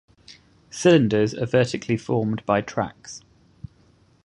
Cylinders are vertically formed by tracks.